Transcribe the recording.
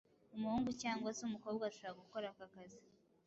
umuhungu cyangwa se umukobwa ashobora gukora aka kazi